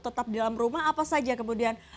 tetap di dalam rumah apa saja kemudian